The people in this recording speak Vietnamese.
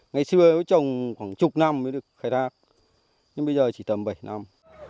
ngày xưa nó trồng khoảng chục năm mới được khai thác nhưng bây giờ chỉ tầm bảy năm